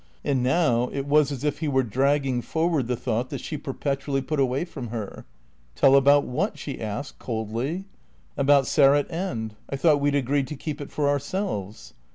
And now it was as if he were dragging forward the thought that she perpetually put away from her. "Tell about what?" she asked, coldly. "About Sarratt End. I thought we'd agreed to keep it for ourselves."